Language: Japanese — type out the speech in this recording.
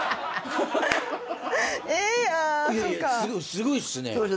すごいっすね。